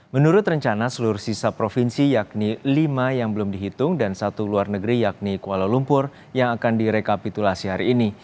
menurut rencana seluruh sisa provinsi yakni lima yang belum dihitung dan satu luar negeri yakni kuala lumpur yang akan direkapitulasi hari ini